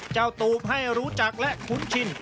ตูมให้รู้จักและคุ้นชิน